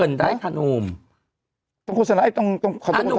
อีกหน่อยตอนนี้ข้าต้องต้องตอบถ้าขึ้น